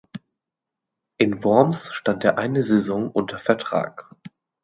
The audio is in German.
In Worms stand er eine Saison unter Vertrag.